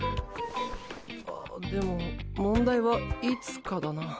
でも問題は「いつ」かだな。